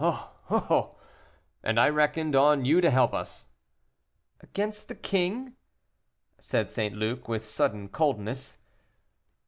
"Oh! oh!" "And I reckoned on you to help us." "Against the king?" said St. Luc, with sudden coldness.